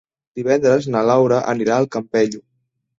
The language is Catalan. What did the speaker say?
Divendres na Laura anirà al Campello.